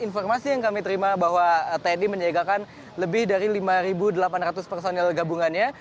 informasi yang kami terima bahwa tni menyegakkan lebih dari lima delapan ratus personil gabungannya